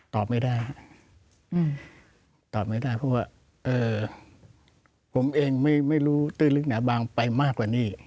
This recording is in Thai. ตอบไม่ได้ตอบไม่ได้เพราะว่าผมเองไม่รู้ตื้นลึกหนาบางไปมากกว่านี้